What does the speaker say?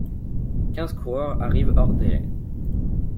Quinze coureurs arrivent hors délais.